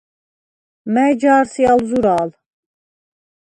მა̈ჲ ჯა̄რ სი ალ ზურა̄ლ?